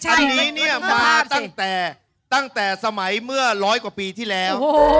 อันนี้มาตั้งแต่สมัยเมื่อร้อยกว่าปีที่แล้ว